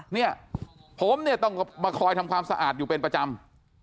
เนี่ยผมเนี่ยต้องมาคอยทำความสะอาดอยู่เป็นประจำ